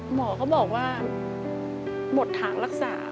หมอก็บอกว่าหมดถังรักษา